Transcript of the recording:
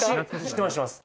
知ってます